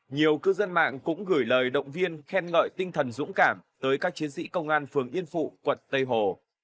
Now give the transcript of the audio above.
nhiều cư dân mạng cũng gửi lời động viên khen ngợi tinh thần dũng cảm tới các chiến sĩ công an phường yên phụ quận tây hồ